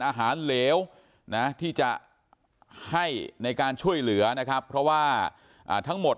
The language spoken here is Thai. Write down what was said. อาหารเหลวนะที่จะให้ในการช่วยเหลือนะครับเพราะว่าทั้งหมด